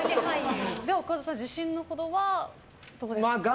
岡田さん、自信のほどはどうですか？